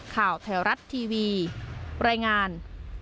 ข่าวแถวรัฐทีวีรายงาน